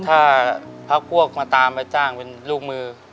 ถ้าพักพวกมาตามมาจ้างเป็นลูกมือ